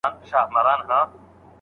د هر يزيد زړه کې ايله لکه لړم ښه گرانې